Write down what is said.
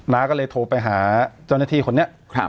น้าก็เลยโทรไปหาเจ้าหน้าที่คนนี้